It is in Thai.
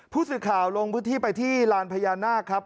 ผู้สื่อข่าวลงพื้นที่ไปที่ลานพญานาคครับ